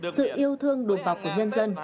sự yêu thương đùm bọc của nhân dân